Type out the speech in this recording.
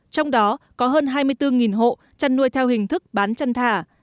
trong đó có hơn hai mươi bốn hộ chăn nuôi theo hình thức bán chăn thả